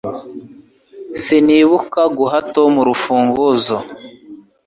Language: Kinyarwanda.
Sinibuka guha Tom urufunguzo